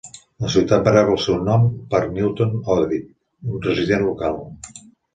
La ciutat va rebre el seu nom per Newton Ovid, un resident local.